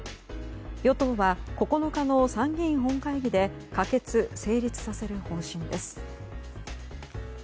与党は、９日の参議院本会議で可決・成立させる方針です。